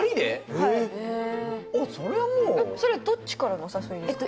はいそれはどっちからのお誘いですか？